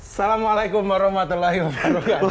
assalamualaikum warahmatullahi wabarakatuh